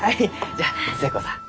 じゃあ寿恵子さん